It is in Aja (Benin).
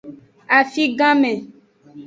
Afiganme.